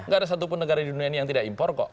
gak ada satupun negara di dunia ini yang tidak impor kok